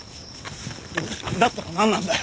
だったらなんなんだよ？